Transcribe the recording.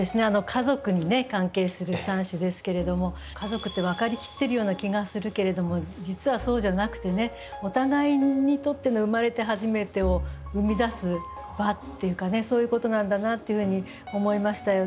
家族に関係する３首ですけれども家族って分かりきってるような気がするけれども実はそうじゃなくてお互いにとっての生まれて初めてを生み出す場っていうかそういうことなんだなっていうふうに思いましたよね。